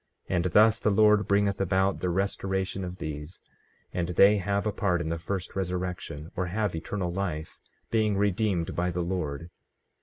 And thus the Lord bringeth about the restoration of these; and they have a part in the first resurrection, or have eternal life, being redeemed by the Lord.